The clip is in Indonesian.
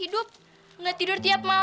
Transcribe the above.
tidak jangan pergi dari rumah